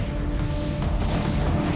kita harus ke rumah